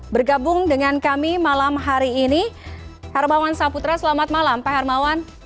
bergabung dengan kami malam hari ini hermawan saputra selamat malam pak hermawan